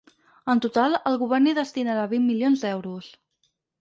En total, el govern hi destinarà vint milions d’euros.